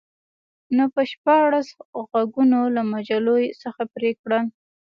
نو ما شپاړس غوږونه له مجلو څخه پرې کړل